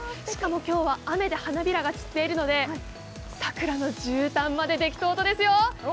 しかも今日は雨で花びらが散っているので、桜のじゅうたんまでできとーとですよ。